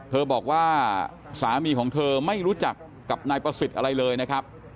บอกว่าสามีของเธอไม่รู้จักกับนายประสิทธิ์อะไรเลยนะครับ